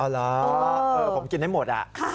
เอาล่ะผมกินให้หมด